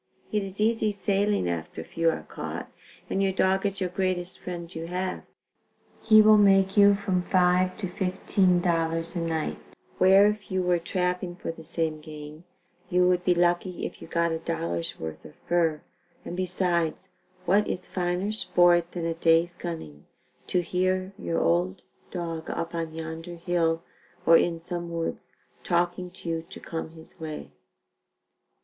It is easy sailing after a few are caught, and your dog is your greatest friend you have. He will make you from $5.00 to $15.00 a night, where if you were trapping for the same game, you would be lucky if you got a dollar's worth of fur, and besides what is finer sport than a day's gunning, to hear your old dog up on yonder hill or in some woods talking to you to come his way?"